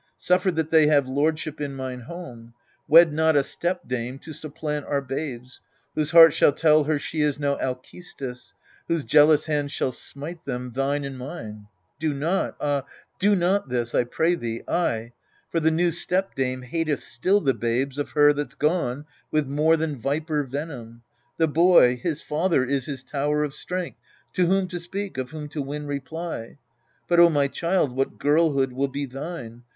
Suffer that they have lordship in mine home : Wed not a stepdame to supplant our babes, Whose heart shall tell her she is no Alcestis, Whose jealous hand shall smite them, thine and mine. Do not, ah ! do not this I pray thee, I. For the new stepdame hateth still the babes Of her that's gone with more than viper venom. The boy his father is his tower of strength To whom to speak, of whom to win reply : But, O my child, what girlhood will be thine